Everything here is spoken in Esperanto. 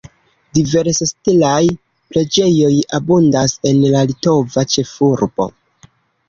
Diversstilaj preĝejoj abundas en la litova ĉefurbo.